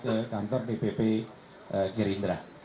sama sama ke kantor dpp gerindra